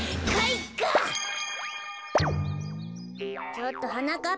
ちょっとはなかっ